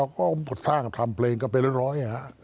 ก็ผลสร้างทำเพลงมีกว่าเป็นเล่นร้อย